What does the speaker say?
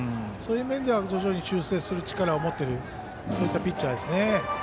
そういう面では徐々に修正する力を持っているそういったピッチャーですね。